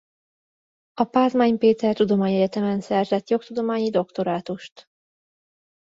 A Pázmány Péter Tudományegyetemen szerzett jogtudományi doktorátust.